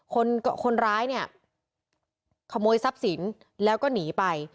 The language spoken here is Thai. คนร้ายเนี่ยขโมยทรัพย์สินแล้วก็หนีไป